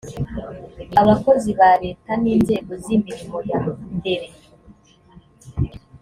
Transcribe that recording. abakozi ba leta n inzego z imirimo ya mbere